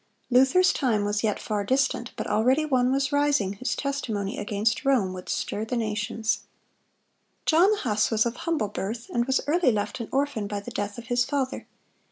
(126) Luther's time was yet far distant; but already one was rising, whose testimony against Rome would stir the nations. John Huss was of humble birth, and was early left an orphan by the death of his father.